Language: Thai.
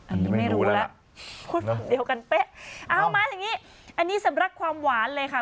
อันนี้ไม่รู้แล้วพูดฝั่งเดียวกันเป๊ะเอามาอย่างงี้อันนี้สำหรับความหวานเลยค่ะ